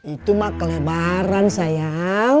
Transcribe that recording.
itu mah kelebaran sayang